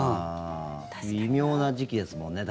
微妙な時期ですもんね